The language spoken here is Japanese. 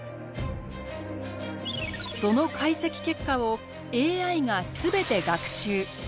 その解析結果をＡＩが全て学習。